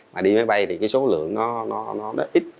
mà đi máy bay thì cái số lượng nó ít